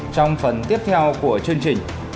trong phần tiếp theo của chương trình